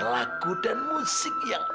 lagu dan musik yang